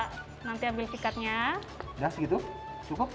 udah segitu cukup